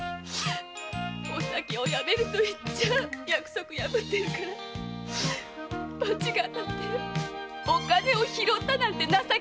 「お酒を止める」と言っちゃあ約束破ってるから罰が当たって“お金を拾った”なんて情けない夢を見んのさ！